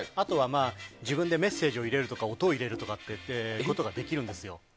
自分でメッセージを入れるとか音を入れるとかができるんです。